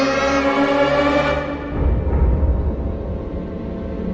เพื่อนรัก